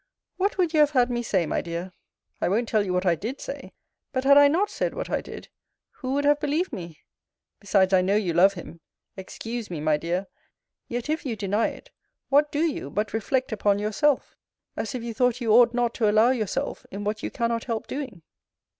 What would you have had me say, my dear? I won't tell you what I did say: But had I not said what I did, who would have believed me? Besides, I know you love him! Excuse me, my dear: Yet, if you deny it, what do you but reflect upon yourself, as if you thought you ought not to allow yourself in what you cannot help doing?